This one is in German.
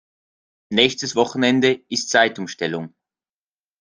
Nächstes Wochenende ist Zeitumstellung.